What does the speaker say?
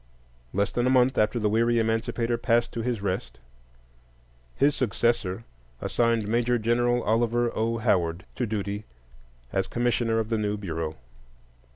Less than a month after the weary Emancipator passed to his rest, his successor assigned Major Gen. Oliver O. Howard to duty as Commissioner of the new Bureau.